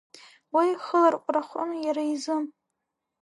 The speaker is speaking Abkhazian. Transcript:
Уи хыларҟәрахон иара изы.